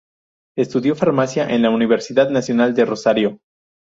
Estudió Farmacia en la Universidad Nacional de Rosario.